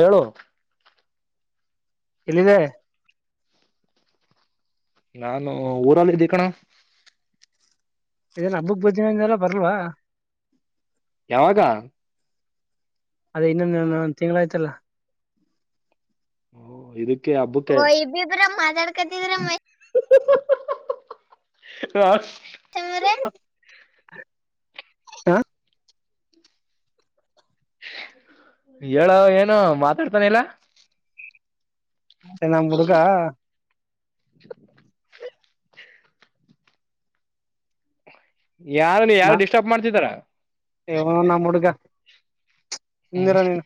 ಹೇಳು ಎಲ್ಲಿದೆ ನಾನು ಊರಲ್ಲಿ ಇದ್ದ ಕಣೋ ಏನು ಹಬ್ಬಕ್ ಬರುತಿನಿಂದಲಪ್ಪ ಬರ್ಲ್ವಾ ಯಾವಾಗಾ ಅದು ಇನ್ನೊಂದು ತಿಂಗಳಾಯಿತ್ತು ಗೋತ್ತಿಲ್ಲ ಓ ಇದಕ್ಕೆ ಹಬ್ಬುಕ್ಕೆ ಉರಗ್ ಮಾತಾಡ್ಕತಿದ್ರ ಮ [unintelligible] [unintelligible] ಹಾ ಚರನ ಹ್ ಹೇಳೊ ಏನೊ ಮಾತಾಡ್ತಾನೆಇಲ್ಲ ಅದೇ ನಮ್ಮ ಹುಡುಗಾ [unintelligible] ಯಾವ ನೀ ಯಾರು ಡಿಸ್ಟರ್ಬ್ ಮಾಡ್ತಿದಾರಾ ಇವನು ನಮ್ಮ ಹುಡುಗ ಹ್ಮ್ ಸುಮ್ನಿರೋ ನೀನು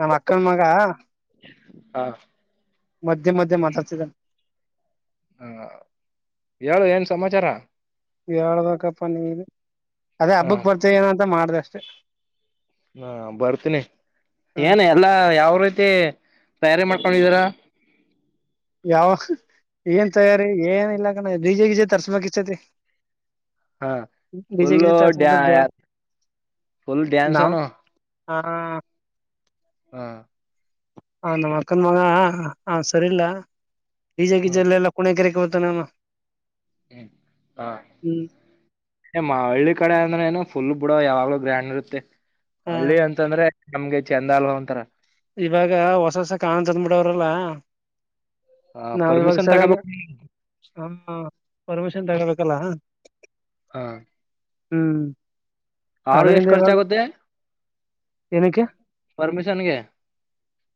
ನಮ್ಮ ಅಕ್ಕನ್ ಮಗ ಹಾ ಮಧ್ಯ ಮಧ್ಯ ಮಾತಾಡ್ತೀರಾ ಹಾ ಹೇಳು ಏನ್ ಸಮಾಚಾರಾ ಹೇಳಬೆಕಪ್ಪ ನೀನೆ ಅದೇ ಹಬ್ಬಕ್ ಬರುತಿನಂತೆನ್ನೊಅಂತ ಮಾಡಿದೆ ಅಷ್ಟೇ ಹಾ ಬರ್ತೀನಿ ಹ್ಮ್ ಏನ್ ಎಲ್ಲಾ ಯಾವರೀತಿ ತ್ತೆ ತಯಾರಿ ಮಾಡ್ಕೊಂಡಿದೀರಾ ಯಾವ ಏನ್ ತಯಾರಿ ಏನ್ ಇಲ್ಲ ಕಣೋ ಡಿಜೆ ಗೀಜ ತರಿಸಬೇಕು ಇಷ್ಟೊತ್ತಿಗಿ ಹಾ ಫುಲ್ಲು ಡ್ಯಾ ಫುಲ್ ಡ್ಯಾನ್ಸನ್ನು ಹಾ ಹಾ ಹ ನಮ್ಮ ಅಕ್ಕನ್ ಮಗ ಅವ ಸರಿಯಿಲ್ಲಾ ಡಿಜೆ ಗೀಜಾ ಹ್ಮ್ ಇಲ್ಲ ಇಲ್ಲ ಕುಣಿಕೆರೆಕೆ ಹೋಗದು ತಾ ವ ನವ [unintelligible] ಹ್ಮ್ ಹ ಮಾ ಹಳ್ಳಿ ಕಡೆ ಅಂದ್ರೆ ಏನು ಫುಲ್ ಬ ಬಿುಡ ಯಾವಾಗ್ಲೂ ಗ್ರ್ಯಾಂಡ್ ಇರುತ್ತೆ ಹ ಹಳ್ಳಿ ಅಂತಂದ್ರೆ ನಮ್ಗೆ ಚಂದ ಅಲ್ವಾ ಒಂತರ ಇವಾಗ ಹೊಸ ಹೊಸ ಕಾಣಂತ ತಂದ್ಬಿಡವ್ರಲ್ಲ ಹ ನಾವ ಇವಾಗ ಪರ್ಮಿಷನ್ ಸರಿಯಾಗಿ ತಗೋಬೇಕು ಹ ಪರ್ಮಿಷನ್ ತಗಬೇಕ ಲ್ಲ ಹಾ ಹ್ಮ್ ಅವ್ರ ಎಷ್ಟು ಅದ್ರಿಂದ ಖರ್ಚ ಇವಾಗ ಆಗುತ್ತೆ ಪರ್ಮಿಶನ್ಗೆ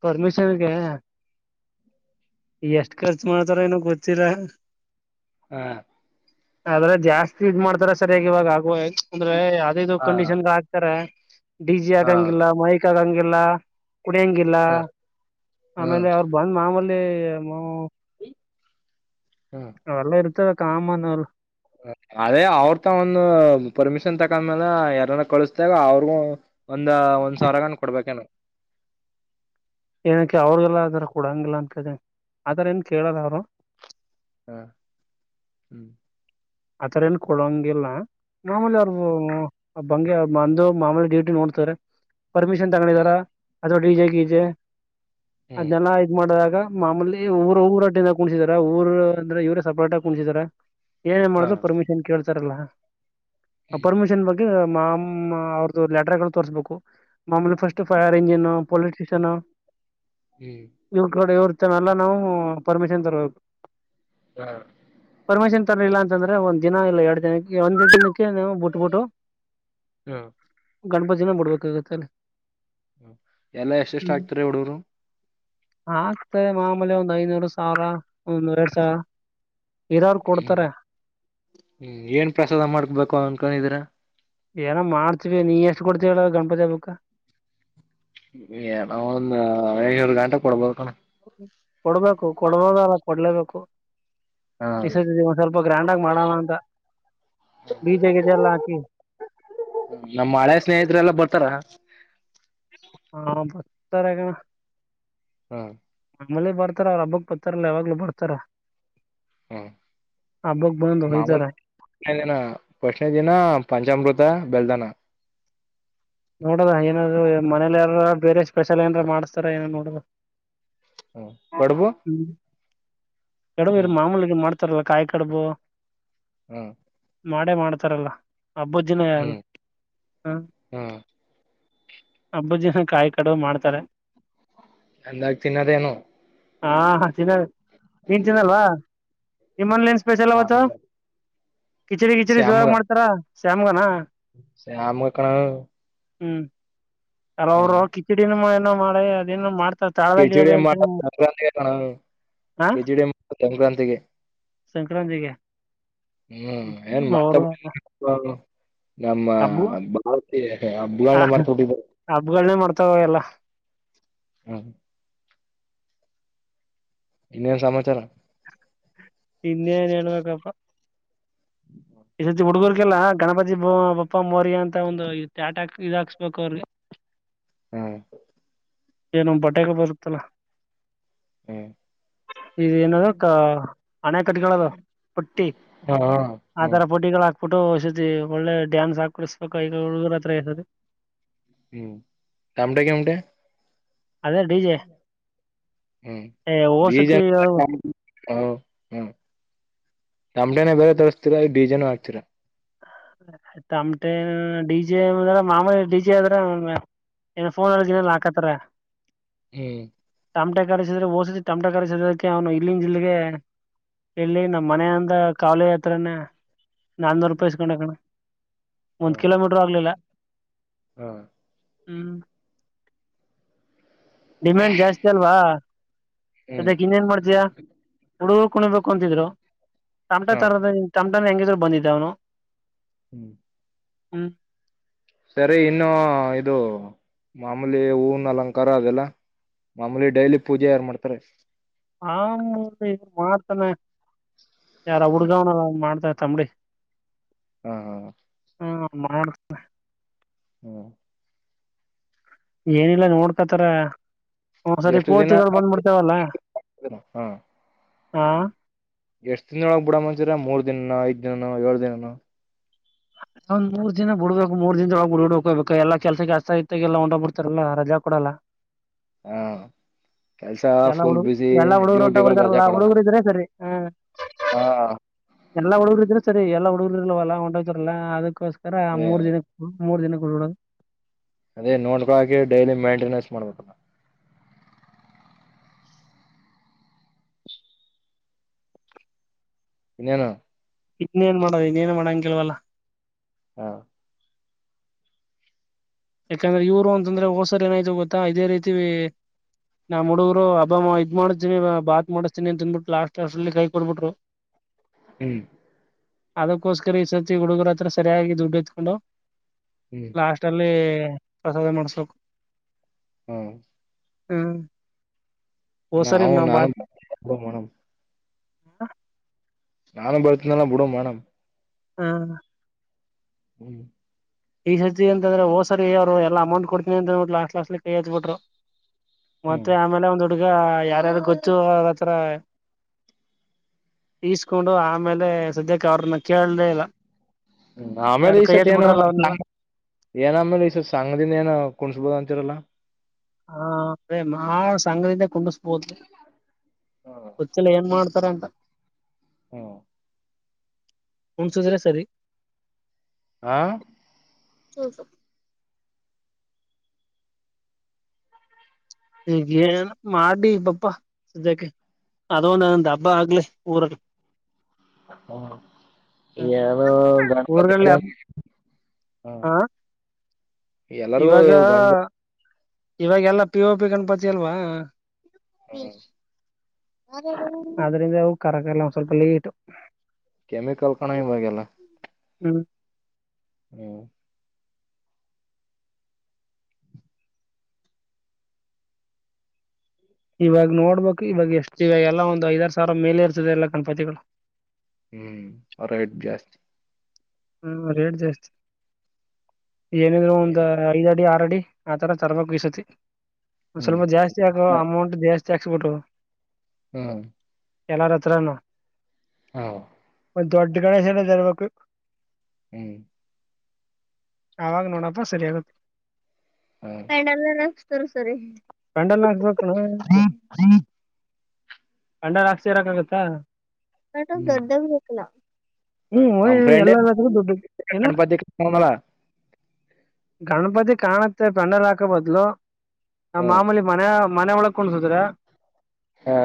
ಪರಮಿಷನ್ಗೆ ಎಷ್ಟ್ ಖರ್ಚು ಮಾಡ್ತಾರ ಏನ ಗೊತ್ತೀರಾ ಹಾ ಆದ್ರೆ ಜಾಸ್ತಿ ಇದ್ ಮಾಡ್ತಾರ ಸರಿಯಾಗಿ ಇವಾಗ ಆಗುವ ಅಂದ್ರೆ ಯಾವ್ದದೇದು ಹಾ ಕಂಡೀಷನ್ ಆಗ್ತಾರ ಡಿ ಜಿ ಹಾ ಆಗಂಗಿಲ್ಲ ಮೈಕ್ ಆಗಂಗಿಲ್ಲ ಇಲ್ಲ ಕುಡಿಯಂಗಿಲ್ಲ ಹ ಹ್ಮ್ ಆಮೇಲೆ ಅವರು ಬಂದ್ ಮಾಮೂಲಿ [unintelligible] ಹ್ಮ್ ಎಲ್ಲ ಇರು [unintelligible] ಅದೇ ಅವ್ರ ತ ಒಂದು ಪರ್ಮಿಶ್ ತಕಂದ್ಮೇಲೆ ಯಾರನ್ನ ಕಳಸ್ತಾಗ ಅವ್ರಗೂ ಒಂದ ಒಂದ್ ಸಾವರಗನ್ ಕೊಡ್ಬೇಕೇನ ಏನಕ್ಕೆ ಅವ್ರಿಗೆಲ್ಲ ಅದರ ಕೊಡಂಗಿಲ್ಲ ದ ಆದರ ಏನ್ ಕೇಳಾರ ಅವರು ಹಾ ಹ್ಮ್ ಆತರ ಏನ್ ಕೊಡಂಗಿಲ್ಲ ಮಾಮೂಲಿ ಅವ್ರ ಬಂಗಗೆ ಅಂದು ಮಾಮೂಲಿ ಡ್ಯೂಟಿ ನೋಡ್ತಾರೆ ಪರ್ಮಿಷನ್ ತಗೊಂಡಿದಾರ ಹ್ಮ್ ಅಥವಾ ಡಿ ಜೆ ಗಿ ಜೆ ಹ್ಮ್ ಅದ್ನ್ನೆಲ್ಲ ಇದ ಮಾಡಿದಾಗ ಮಾಮೂಲಿ ಊರು ಊರ ಆಟಿಂದ ಕುಣ್ಸಿದಾರ ಊರು ಅಂದ್ರೆ ಇವರೇ ಸಪರೇಟ ಆ ಕುಣಸಿದಾರ [unintelligible] ಹಾ ಉತ್ತರಲ ಹ್ಮ್ ಪರ್ಮಿಷನ್ ಬಗ್ಗೆ ಮಾ ಮಾ ಅವ್ರ ಲೆಟರ್ ಗಳು ತೋರ್ರಿಸ್ಬೇಕು ಮಾಮೂಲಿ ಫಸ್ಟ್ ಫೈರ್ ಎಂಜಿನ್ ಪೊಲಿಟಿಷಿಯನ್ ಹ್ಮ್ ಇವ್ರು ಕಡ ಇವರು ಇಲ್ಲ ನಾವು ಪರ್ಮಿಷನ್ ತರಬೇಕು ಹಾ ಸಲ್ಲ ಂದ್ರೆ ಒಂದ್ ದಿನ ಇಲ್ಲ ಎರಡ್ ದಿನಕ್ಕೆ ಒಂದ್ೆರಡು ದಿನಕ್ಕೆವು ಬಿಟ್ಬಿಟ್ಟು ಹಾ ಗಣಪತಿಿನ ಬಿಡ್ಬೇಕಾಗತ್ತೆ ಅಲ್ಲಿ ಎಲ್ಲಾ ಎಷ್ಟ ಎಷ್ಟ ಹ್ಮ್ ಆಗ್ತಾರ ಹುಡರು ಆಗ್ತದೆ ಮಾಮೂಲಿ ಒಂದ್ ಐನೂರು ಸಾವಿರ ಒಂದ ಎರಡ್ ಸಾವಿರ ಇದರಾರರು ಕೊಡ್ತಾರ ಹ್ಮ್ ಹ್ಮ್ ಏನ್ ಪ್ರಸಾದ ಮಾಡ್ಕ್ಬೇಕು ಅನ್ಕೊಂಡಿದೀರ ಏನೋ ಮಾಡ್ತೀವಿ ನೀ ಎಷ್ಟು ಕೊಡ್ತೀವ ಹೇಳ ಗಣಪತಿಿಯ ಬುಕ್ಕ ನ ಒಂದ ಏನೂರು ಗಂಟೆ ಕೊಡ್ಬೋದ ಕಣ ಹ್ಮ ಕೊಡ್ಬೇಕು ಕೊಡ್ಬೋದಲ್ಲ ಕೊಡ್ಲೇಬೇಕು ಹ ಎತ್ತ ಒ ಸ್ವಲ್ಪ ಗ್ರ್ಯಾಂಡ್ಗ ಮಾಡೋಣ ಅಂತ ಬೀಜ ಗಜ ಎಲ್ಲ ಹಾಕಿ ನಮ್ಮ ಹಳೆ ಸ್ನೇಹಿತರೆಲ್ಲ [inaudible] ಹಾ ಬತ್ತರಗಣ ಹ್ಮ ನಮ್ಮಲ್ಲಿ ಬರ್ತಾರ ಅವ್ರ ಹಬ್ಬಕ್ ಬರ್ತಾರಲ್ಲ ಯಾವಾಗ್ಲೂ ಬರ್ತಾರ ಹ್ಮ ಹಬ್ಬಕ್ ಬಂದು ಒಯ್ತಾರೆ ಮಾಮೂಿನ ಪ್ರಶನ ದಿನ ಪಂಚಾಮೃತ ಬೆಲ್ದಾನ ನೋಡದ ಏನಾದ್ರು ಮನೇಲಿ ಯಾರ ಬೇರೆ ಸ್ಪೆಷಲ್ ಏನಾರ ಮಾಡ್ಸ್ತಾರ ಏನ ನೋಡದ ಹ್ಮ ಕಡ್ಬು ಎಡ ಮಾಮೂಲಿ ಮಾಡ್ ಲ್ಲ ಕಾಯ ಕಡ್ಬ ಹ್ಮ್ ಮಾಡೇ ಮಾಡ್ತಾರಲ್ಲ ಅಬ್ಬಜಿನ ಯಾರು ಹ್ಮ್ ಹ್ಮ ಹ್ಮ್ ಅಬ್ಬುಜಿನ ಕಾಯಿ ಕಡು ಮಾಡ್ತಾರೆ ಎಂದಾಗಿ ತಿನ್ನದೇಏನೋ ಹಾ ಹ ಚಿನ ನಿಂತಿಂದಲ್ವಾ ನಿಮ್ಮನ್ಲನ್ ಸ್ಪಷಲ್ವತ್ತು ಕಿಚಡಿ ಕಿಚರಿ ಜೋರಾಗ ಮಾಡ್ತಾರಾ ಶ್ಯಾಮ್ಗನಾ ಸಮಕಣ ಹ್ಮ್ ಕೆಲ ಅವರು ಕಿಚಿಡಿನಮ್ಮ ಮಾಡ ಅದೇ ಮಾಡ್ ಕೆಿಜಡಿ ಮಾಡ ಸಂಕ್ರಾಂತಣ ಹಾ ಕೆಜಡಿ ಮಾಡ ಸಂಕ್ರಾಂತಿಗೆ ಸಂಕ್ರಾಂತಿಗೆ ಹ್ಮ್ ಏನ್ ಮತ್ತೆ ಅವರು ನಮ್ಮ ಹಬ್ಬ ಬಾಳ ಬಣೆ ಮಾಡ್ತಟ್ಟ ಹಬ್ಬಗಳನ್ನೇ ಮಾಡ್ತಾವ ಎಲ್ಲ ಹ್ಮ್ ಇನ್ನೇನು ಸಮಾಚಾರ ಇನ್ನೆ ಅನಣ ನೋಕ್ಕಪ್ಪ ಈ ಸತಿ ಹುಡುಗರ್ರಿಗೆಲ್ಲ ಗಣಪತಿ ಬ ಅಬಪ್ಪ ಮೋರ್ಯ ಅಂತ ಒಂದು ತ ಆಟಕ್ ಇದ ಹಾಕ್ಸ್ಬೇಕು ಅವ್ರಿಗೆ ಹ್ಮ್ ಏನು ಬಟೆಗೆ ಬರುತ್ತಲ್ಲ ಹ್ಮ್ ಇೇಏನದ ಕ ಅಣೆ ಕಟ್ಟಗಳದು ಪುಟ್ಟಿ ಹಾ ಆ ಹ್ಮ್ ತರ ಪುಟಗಳು ಹಾಕ್ ಫೋಟೋ ಹೊಷತಿ ಒಳ್ಳೆ ಡ್ಯಾನ್ಸ್ ಹಾಕ್ ಕುಡಸ್ಬೇಕ ಈಗ ಹುಡುಗರ್ ಹತ್ರ ಇಸದೆ ಹ್ಮ್ ಟಮಟ ಕೆಮಟೆ ಅದೇ ಡಿಜೆ ಸತಿ ಹ ಹ್ಮ್ ತಂಬಟೇನೆೇ ಬೇರೆ ತರಿಸಸ್ತೀರಾ ಡೀಜೆನು ಮಾಡ್ತೀರಾ ಆಯ್ತ ತಮಟೆ ಡಿಜೆ್ರ ಮಾಮೂಲಿ ಡಿಜೆ ಆದದ್ರ ನ್ ಫೋನ್ಲ್ಲಿನ ಹಾಕತ್ತಾರ ಹ್ಮ್ ಟಮಟೆ ಕಡಿಸಿದ್ರೆ ಓಸಿದ ಟಮಟೆ ರಿಸಕ್ಕೆ ಅವನು ಇಲ್ಲಿನ ಜಿಲ್ಲೆಗೆ ಇಲ್ಲಿ ನಮ್ಮ್ ಮನ ಅಂದ ಕಾಲು ತ್ರನ್ನ ನನ್ನೂರು ಪ್ಪಸ್ಕೊಂಡಣ ಹಾ ಒಂದ್ ಕಿಲೋಮೀಟರ್ ಆಗ್ಲಿಲ್ಲ ಹಾ ಹ್ಮ್ ಡಿಮ್ಯಾಂಡ್ ಜಾಸ್ತಿ ಅಲ್ವಾ ಹ್ಮ್ ಅದಕ್ಕೆ ಇನ್ನೇನ್ ಮಾಡ್ತಯ ಹುಡುಗ ಕುಣಬೇಕು ಅಂತಿದ್ರು ತಮಟ ಹಾ ತರದ ಡ್ ಹೆಂಗಿದ್ರು ಬಂದಿದ್ದ ಅವನು ಹ್ಮ್ ಹ್ಮ್ ಸರಿ ಇನ್ನು ಇದು ಮಾಮೂಲಿ ಹೂವನ್ ಅಲಂಕಾರ ಅದೆಲ್ಲ ಮಾಮೂಲಿ ಡೈಲಿ ಪೂಜೆ ಯಾರ್ಮಾಡ್ತಾರೆ ಹಿ ಮಾಡತಾನ ಯಾರ ಹಾ ಹುಡ್ಗಾವ್ನ ಮಾಡ್ತ ತಮ್ಮಂಡಿ ಹ್ಮ ಹ್ಮ ಹ್ಮ ಮಾಡತೆ ಹ್ಮ [unintelligible] ಏನಿಲ್ಲ ನೋಡ್ಕತರಾ [unintelligible] ಹ್ಮ ಸರಿ ಎಷ್ಟು ದಿನ ಕೋತಿಗಳು ಬಂದ್ಬಿಡ್ತವಲ್ಲ [unintelligible] ಹ ಹಾ [unintelligible] ಎಷ್ಟ್ ದಿನದೊಳಗ್ ಬಿಡ ಮಂಚಿರ ಮೂರ್ ದಿನನ ಐದಿನನ ಏಳ್ ದಿನನ [unintelligible] ಒಂದ್ ಮೂರ್ ದಿನ ಬಿಡ್ಬೇಕು ಮೂರ್ ದಿನದೊಳಗೆ ಬಿಡಿಡ್ ಹೋಗಬೇಕಕ್ ಎಲ್ಲ ಕೆಲ್ಸಕ್ಕೆ ಆಸ್ತ ಆಐತೆಗೆಲ್ಲ ಹೊಂದ್ಬ ಬಿಡ್ತಾರಲ್ಲಾ ರಜಾ ಕೊಡಲ್ಲ [unintelligible] ಹ್ಮ [unintelligible] ಎಲ್ಲಾ ಹುಡುಗ ಎಲ್ಲಾ ಹುಡುಗ್ಗರು ರಜಾ ಒಂಟೊಗ್ಬಿಡ್ತರಲ್ಲ ಕೊಡಲ್ಲ ಹುಡುಗರು ಇದ್ರೆ ಸರಿ ಹ್ಮ ಹಾ [unintelligible] ಎಲ್ಲಾ ಹುಡುಗರು ಇದ್ರರು ಸರಿ ಎಲ್ಲ ಹುಡುಗರು ಇರಲ್ವಲ್ಲ ಒಟೋತರಲ್ಲ ಅದಕ್ಕ [unintelligible] ಸರಾ ಅದೇ ಮೂರ್ ದಿನಕ್ಕೆ [unintelligible] ಮೂರು ದಿನಗಳುಡಡದು [unintelligible] ಅದೇ ನೋಡ್ಕೊಳಕೆ ಡೈಲಿ ಮೇಂಟೆನೆನ್ಸ್ ಮಾಡ್ಬೇಕ [unintelligible] ಇನ್ನೇನು [unintelligible] ಇನ್ನೇನ್ ಮಾಡೋದು ಇನ್ನೇನ್ ಮಾಡಂಗಿಲ್ವಲ್ಲ [unintelligible] ಹಾ [unintelligible] ಯಾಕಂದ್ರೆ ಇವ್ರು ಅಂತಂದ್ರೆ ಹೋಸರ್ ಏನಾಯ್ತ ಗೊತ್ತಾ ಇದೇ ರೀತಿ ನಾ ಹುಡುಗರು ಅಬ್ಬಮ್ಮ ಇದ್ ಮಾಡ್ತೀನಿ ಬಾತ್ ಮಾಡಿಸತೀನಿ ಅಂತನ್ಬಿಟ್ಟು ಲಾಸ್ಟ್ ಅಷ್ಟ್ರಲ್ಲಿ ಕೈ ಕೊಡ್ಬಿಟ್ರು [unintelligible] ಹ್ಮ [unintelligible] ಅದಕ್ಕೋಸ್ಕರ ಈ ಸರ್ತಿ ಹುಡುಗರ ಹತ್ರ ಸರಿಯಾಗಿ ದುಡ್ಡು ಇತ್ಕೊಂಡು ಹ್ಮ್ ಲಾಸ್ಟ್ ಅಲ್ಲಿ ಪ್ರಸದ ಮಾಡಿಸಬೇಕು ಹ್ಮ್ ಹ್ಮ್ ನಾ ಹ ಹೋದ್ಸರಿ ನಾನು ಮೇಡ ಹ್ಮ ನಾನು ಬರ್ತನ್ನಲ್ಲ ಬಿಡು ಮಡಮ ಹ್ಮ ಹ್ಮ್ ಈ ಸರ್ತಿ ಅಂತಂದ್ರೆ ಹೋ್ಸರಿ ಯಾರ್ ಎಲ್ಲ ಅಮೌಂಟ್ ಕೊಡ್ತನಿ ಅಂತ ಅನ್ಬಿಟ್ಟು ಲಾಸ್ಟ್ ಲಾಸ್ಟ್ಲಿ ಕೈ ಹತ್ತತ್ಬಿಟ್ರು ಹ್ಮ್ ಮತ್ತೆ ಆಮೇಲೆ ಒಂದು ಹುಡ್ಗ ಯಾರ್ಯಾರು ಗೊತ್ತು ಅವ್ರತ್ರ ಈಸ್ಕೊಂಡು ಆಮೇಲೆ ಸದ್ಯಕ್ಕೆ ಅವ್ರನ್ನ ಕೇಳದೇ ಇಲ್ಲ ಆಮೇಲೆ ಯಾರು ಈ ಕೈ ಸತ್ತ ಎತ್ ಏನು ಬಿಟ್ರಲ್ಲ ಅವನ್ನೆಲ್ಲ ಏನಮೇಲೆ ಈ ಸಂಘದಿಂದ ಏನ ಕುಣಸ್ಬೋದು ಅಂತಿರಲ್ಲ ಹಾ ಅ ಮಾಡ ಸಂಗ್ದ ಕುಂಡಿಸ್ಬೋದು ಗೊತ್ತಿಲ್ಲ ಏನ್ ಮಾಡ್ತ ದಂತ [unintelligible] ಹ್ಮ [unintelligible] ಹನ್ ಸುಸ್ರೆ ಸರಿ [unintelligible] ಹ [unintelligible] ಚೌಸೇ [unintelligible] ಈ ಏನ್ ಮಾಡಿ ಹಬ್ಬ ಸದ್ಯಕ್ಕೆ ಅದೊಂದು ಅದೊಂದು ಹಬ್ಬ ಆಗ್ಲಿ ಊರಲ್ಲಿ [unintelligible] ಹ್ಮ ಹ್ಮ್ ಯಾರೋ ಗಣಪತಿ ಊರ್ಗಳಲ್ಲಿ ಹಬ್ ಹ್ಮ [unintelligible] ಹ ಎಲ್ಲಾರಗೂ ಗಂಡ್ [unintelligible] ಇವಾಗ ಎಲ್ಲಾ ಪಿಓ ಪಿ ಗಣಪತಿ ಅಲ್ವಾ ಹ್ಮ ಅದ್ರಿಂದ ಅದ್ರಿಂದ ಅವ ಕರಕಲ್ಲ ಸ್ವಲ್ಪ ಲೇಟ್ ಕೆಮಿಕಲ್ ಕಣೋ ಇವುಗಳ ಹ್ಮ ಹ್ಮ ಇವಾಗ ನೋಡ್ಬೇಕು ಇವಾಗ ಎಷ್ಟ ಇಿವ ಎಲ್ಲಾ ಒಂದು ಐದಾರು ಸಾವಿರ ಮೇಲೆ ಇರ್ತದೆ ಎಲ್ಲ ಗಣಪತಿಗಳು ಹ್ಮ್ ಹಾರೇಟ್ ಜಾಸ್ತಿ ಹ್ಮ್ ರೇಟ್ ಜಾಸ್ತಿ ಏನಿದ್ರು ಒಂದ್ ಐದ್ ಅಡಿ ಆರ ಅಡಿ ಹ ತರ ತರಬೇಕು ಎಸ್ಟೇಟ್ ಒ ಹ್ಮ್ ಸ್ವಲ್ಪ ಜಾಸ್ತಿ ಆಕೂ ಅಮೌಂಟ್ ಜಾಸ್ತಿ ಚೆಕ್ಸ್ಬುಟೋ ಹ್ಮ್ ಎಲ್ಲಾರ ಹತ್ರನು ಹ ಒ ದೊಡ್ಡ ಗಣೇಶ ಎನ ತರಬೇಕು ಹ್ಮ್ ಅವಗ ನೋಡಪ್ಪ ಸರಿ ಆಗುತ್ತು ಹ [unintelligible] ಸರಿ ಸರಿ ಬೆಂಡೆಲ್ಲ ಹಾಕ್ಬೇಕಣ [unintelligible] ಅಂಡ ರಾಸಿ ಇರಕ್ಕಾಗತ್ತಾ ಮಟ ಹ್ಮ್ ದರ್ದಗ ೇಕಲ ಹ್ಮ್ ನಮ್ [unintelligible] ಫ್ರೆಂಡ್ ಏನು ಗಣಪತಿ ಗಣಮಳ [unintelligible] ಗಣಪತಿ ಕಾಣತೆ ಪಂಡರಾಕ ಬದಲಲು ನಮ್ಮ ಹ್ಮ್ ಮಾಮೂಲಿ ಮನ ಮನೆ ಒಳಗ್ ಕಣಸುದ್ರ ಹಾ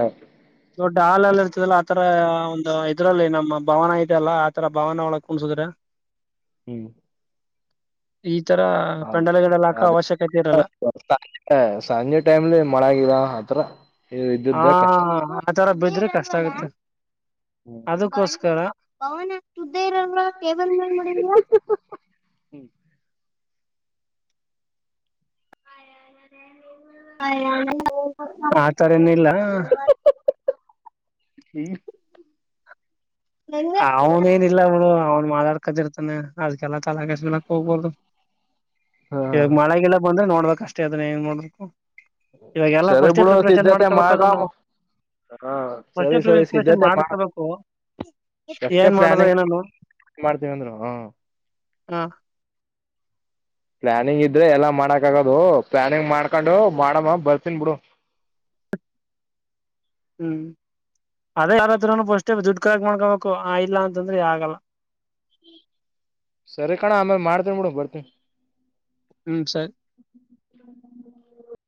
ದೊಡ್ಡ ಹಾಲಲ್ಲಿ ಇರ್ತಿದಲ್ಲ ಆತರ ಒಂದು ಇದ್ರಲ್ಲಿ ನಮ್ಮ ಭವನ ಇದೆಲ್ಲ ಆತರ ಭವನ ಒಳ ಕುಣಸುದ್ರೆ ಹ್ಮ್ ಈ ತರ ಹಾವುದು ಪೆಂಡಲ್ ಗಿಡಲ್ ಹಾಕೋ ಅದು ಅವಶ್ಯಕತೆ ಇರಲ್ಲ [unintelligible] ಸಂಜೆ ಟೈಮ್ಲಿ ಮಳೆ ಆಗಿದ ಹತ್ರ ಹಾ ಆ ತರ ಬಿದ್ರೆ ಕಷ್ಟ ಆಗುತ್ತೆ ಅದಕ್ಕೋಸ್ಕರ ಭವನ ಸುದ್ದ ಇರ ೇಬಲ್ ಟೇಬಲ್ ಮೇದ ಮಾಡ [unintelligible] [inaudible] ಆ ತರೇನ ಇಿಲ್ಲ ಹ್ಮ ಅವನ ನಿಲ್ಲ ಅವ ಅವ ಮಾ ಮಾಡಾಡ್ಕದಿ ಇರ್ತಾನೆ ಅದ್ಕ್ಕೆಲ್ಲ ತಲಾಕ ಮಲಕ್ ಹೋಗ್ಬೋದು ಹಾ ಮಳೆಗೆಲ್ಲ ಬಂದ್ರೆ ನೋಡ್ಬೇಕ ಕಷ್ಟ ಅದನ್ನ ಹೆಂಗ ಮಾಡಬೇಕು ಸರಿ ಬಿುಡ ಸಿದ್ಧತೆ ಮಾಡ್ಕೋಬೇಕು ಅದನ್ನ ಮಾಡಕಾಮ ನಾವು ಹ ಫಸ್ಟೇ ಸರಿ ಸರಿ ಪ್ರಿಪ್ರೇಷನ್ ಸ್ಧತೆ ಮಾಡ ಮಾಡ್ಕೋಬೇಕು ಎಷ್ಟೇ ಏನ್ ಮಾಡೋದು ಪ್ಲಾನಿಂಗ್ ಏನೋ ಮಾಡ್ತೀವಿ ಅಂದ್ರು ಹ ಹಾ ಪ್ಲಾನಿಂಗ್ ಇದ್ರೆ ಎಲ್ಲಾ ಮಾಡಕ್ ಆಗೋದು ಪ್ಲಾನಿಂಗ್ ಮಾಡ್ಕೊಂಡು ಮಾಡಮ್ಮ ಬರ್ತನ್ ಬಿಡು ಹ್ಮ್ ಅದೇ ಯಾರತ್ರ ಪಸ್ೇ ದುಡ್ ಕಕ ಮಾಡ್ಕೊಬೇಕು ಆ ಇಲ್ಲ ಅಂತಂದ್ರೆ ಆಗಲ್ಲ ಸರಿ ಕಣ ಆಮೇ ಮಾಡ್ತೇವಿ ಬಿಡ ಬರ್ತವಿ ಹ್ಮ್ ಸರ್